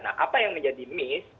nah apa yang menjadi miss